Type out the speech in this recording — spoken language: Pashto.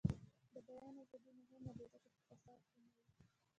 د بیان ازادي مهمه ده ځکه چې فساد کموي.